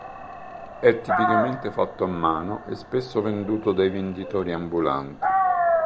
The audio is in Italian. È tipicamente fatto a mano e spesso venduto dai venditori ambulanti.